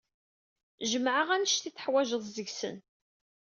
Jmeɛ anect ay teḥwajed seg-sen.